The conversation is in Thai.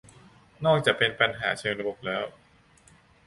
นอกจะเป็นปัญหาเชิงระบบแล้ว